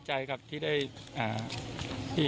ก็ตอบได้คำเดียวนะครับ